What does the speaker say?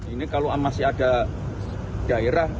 ini kalau masih ada daerah